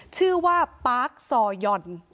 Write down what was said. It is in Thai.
ชื่อว่าปาร์คซอยอน